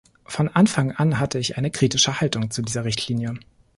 Von Anfang an hatte ich eine kritische Haltung zu dieser Richtlinie.